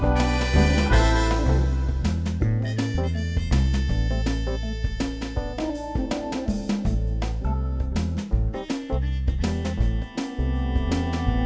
jadi kamu harus aggi kan